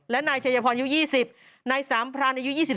และนายชัยพรอายุ๒๐นายสามพรานอายุ๒๓